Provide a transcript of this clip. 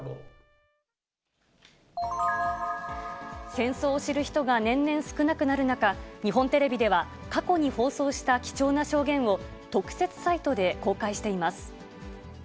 戦争を知る人が年々少なくなる中、日本テレビでは過去に放送した貴重な証言を、特設サイトで公開しています。